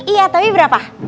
iya tapi berapa